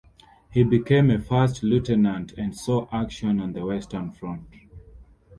He became a first lieutenant and saw action on the Western Front.